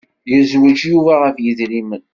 Yezweǧ Yuba ɣef yedrimen.